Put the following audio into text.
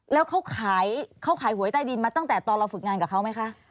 แล้วเขาขายเขาขายหวยใต้ดินมาตั้งแต่ตอนเราฝึกงานกับเขาไหมคะ